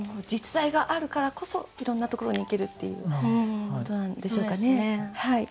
実在があるからこそいろんなところに行けるっていうことなんでしょうかね。